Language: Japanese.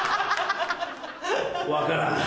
分からん。